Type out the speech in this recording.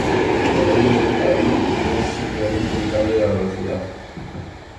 Por ello, delta-v no es simplemente el cambio en la velocidad.